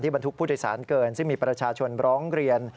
บรรทุกผู้โดยสารเกินซึ่งมีประชาชนร้องเรียน